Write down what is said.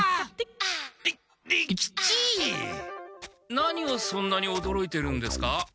何をそんなにおどろいてるんですか？